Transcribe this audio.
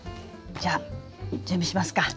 じゃあ準備しますか。